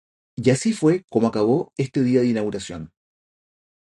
Y así fue como acabó este día de inauguración.